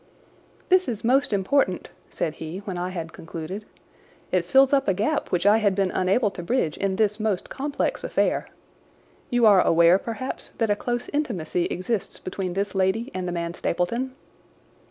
"This is most important," said he when I had concluded. "It fills up a gap which I had been unable to bridge in this most complex affair. You are aware, perhaps, that a close intimacy exists between this lady and the man Stapleton?"